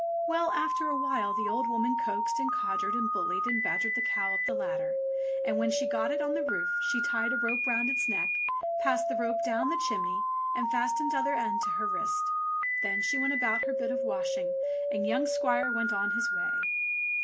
Well, after a while the old woman coaxed and codgered and bullied and badgered the cow up the ladder, and when she got it on to the roof she tied a rope round its neck, passed the rope down the chimney, and fastened tother end to her wrist. Then she went about her bit of washing, and young squire he went on his way.